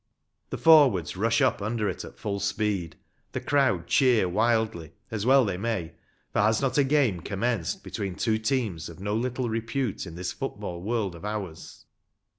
The forwards rush up under it at full speed ; the crowd cheer wildly, as well they may, for has not a game commenced between two teams of no little repute in this football world of ours